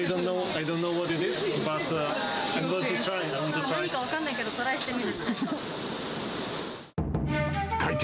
何か分からないけどトライしてみるって。